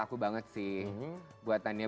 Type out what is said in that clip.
aku banget sih buatannya